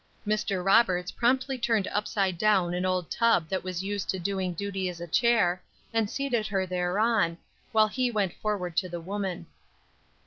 Mr. Roberts promptly turned upside down an old tub that was used to doing duty as a chair, and seated her thereon, while he went forward to the woman.